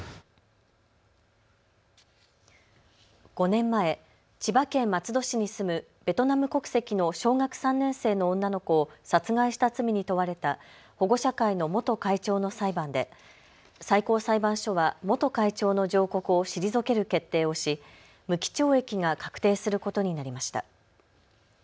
５年前、千葉県松戸市に住むベトナム国籍の小学３年生の女の子を殺害した罪に問われた保護者会の元会長の裁判で最高裁判所は元会長の上告を退ける決定をし無期懲役が確定することになりました。